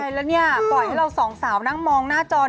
ใช่แล้วนี่ปล่อยให้เรา๒สาวนั่งมองหน้าจอ